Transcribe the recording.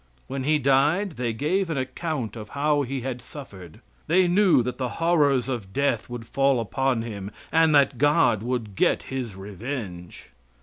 When he died they gave an account of how he had suffered. They knew that the horrors of death would fall upon him, and that God would get his revenge.